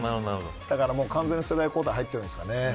だから完全に世代交代入ってるんですかね。